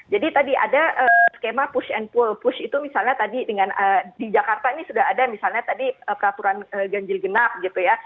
jadi tadi ada skema push and pull push itu misalnya tadi dengan di jakarta ini sudah ada misalnya tadi peraturan ganjil genap gitu ya